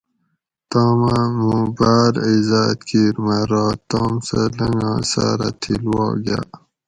توم اٞ مُوں باٞر عِزاٞت کِیر مٞہ رات توم سٞہ لنگا ساٞرہ تھِل وا گاٞ